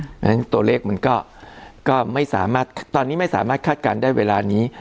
เพราะฉะนั้นตัวเลขมันก็ไม่สามารถตอนนี้ไม่สามารถคาดการณ์ได้เวลานี้